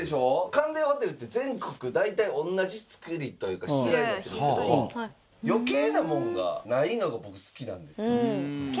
カンデオホテルズって全国大体同じつくりというかしつらえなっているんですけど余計なもんがないのが僕好きなんですよ。